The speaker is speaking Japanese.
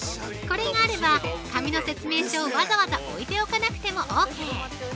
これがあれば紙の説明書をわざわざ置いておかなくてもオーケー。